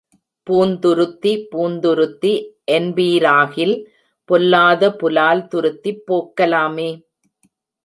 பூந்துருத்தி, பூந்துருத்தி என்பீராகில் பொல்லாத புலால் துருத்திப் போக்கலாமே.